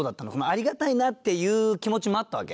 ありがたいなっていう気持ちもあったわけ？